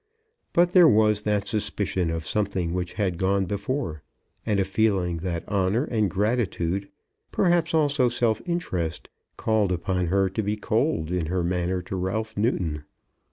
But there was that suspicion of something which had gone before, and a feeling that honour and gratitude, perhaps, also, self interest, called upon her to be cold in her manner to Ralph Newton.